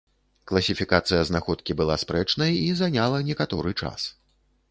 Класіфікацыя знаходкі была спрэчнай і заняла некаторы час.